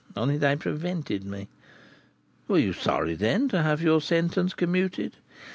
only they prevented me." "Were you sorry, then, to have your sentence commuted?"